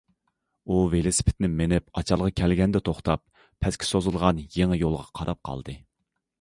ئۇ ۋېلىسىپىتىنى مىنىپ ئاچالغا كەلگەندە توختاپ پەسكە سوزۇلغان يېڭى يولغا قاراپ قالدى.